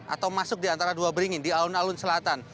atau masuk di antara dua beringin di alun alun selatan